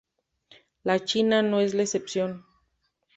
La "china" no es la excepción.